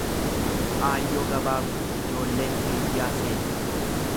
Aayyoo gabaabduu ijolleen hiriyyaa seeti.